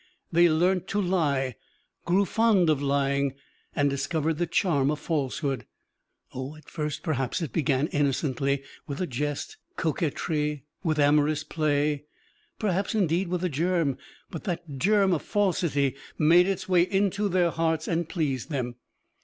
They learnt to lie, grew fond of lying, and discovered the charm of falsehood. Oh, at first perhaps it began innocently, with a jest, coquetry, with amorous play, perhaps indeed with a germ, but that germ of falsity made its way into their hearts and pleased them.